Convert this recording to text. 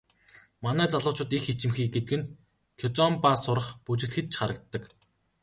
Манай залуучууд их ичимхий гэдэг нь кизомба сурах, бүжиглэхэд ч харагддаг.